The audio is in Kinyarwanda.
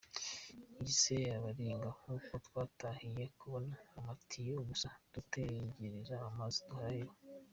Nyise baringa kuko twatahiye kubona amatiyo gusa dutegereza amazi turaheba.